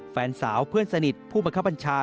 แฟนสาวเพื่อนสนิทผู้บังคับบัญชา